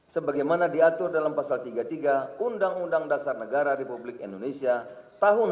sebagaimana diatur dalam pasal tiga puluh tiga undang undang dasar negara republik indonesia tahun seribu sembilan ratus empat puluh lima